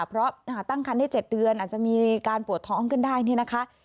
เพราะตั้งคันได้๗เดือนอาจจะมีการปวดท้องขึ้นได้เนี่ยนะคะ